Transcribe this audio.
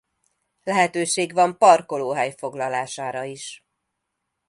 Lehetőség van parkolóhely foglalására is.